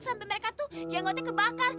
sampai mereka tuh jenggotnya kebakar